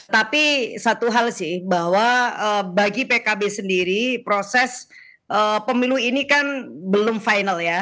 tapi satu hal sih bahwa bagi pkb sendiri proses pemilu ini kan belum final ya